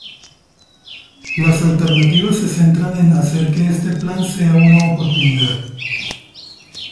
las alternativas se centran en hacer que este Plan sea una oportunidad